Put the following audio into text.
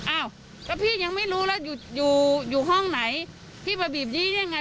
อ้าวพี่ยังไม่รู้แล้วอยู่ห้องไหนพี่มาบีบนี้ยังไง